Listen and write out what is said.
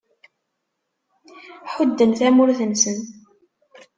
Ḥudden tamurt-nsen.